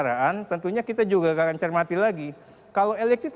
bahkan dalam pemilu ini yang kita kejar yang kita cermati ada pemerintah yang mencari pemerintah